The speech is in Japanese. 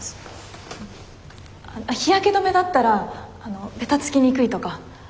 日焼け止めだったらベタつきにくいとか。